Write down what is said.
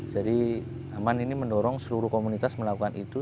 aman ini mendorong seluruh komunitas melakukan itu